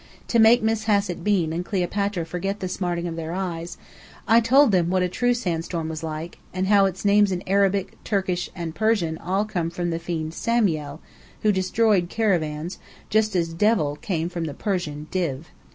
To make Miss Hassett Bean and Cleopatra forget the smarting of their eyes, I told them what a true sand storm was like, and how its names in Arabic, Turkish, and Persian all came from the fiend "Samiel," who destroyed caravans, just as "devil" came from the Persian "div."